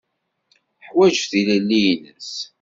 Teḥwaǧ tilelli-nnes.